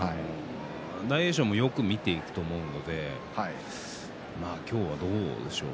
大栄翔もよく見ていくと思うので今日は、どうでしょう？